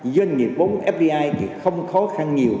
doanh nghiệp bốn fdi thì không khó khăn nhiều